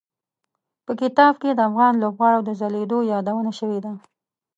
په کتاب کې د افغان لوبغاړو د ځلېدو یادونه شوي ده.